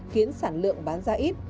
khiến sản lượng bán ra ít